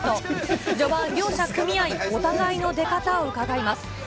序盤、両者組合、お互いの出方を伺います。